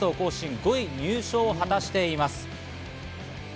５位入賞を果たしています。